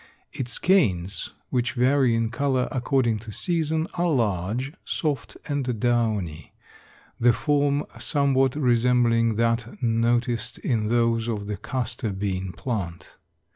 Its canes, which vary in color according to season, are large, soft and downy, the form somewhat resembling that noticed in those of the castor bean plant.